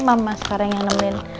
mama sekarang yang ngebelin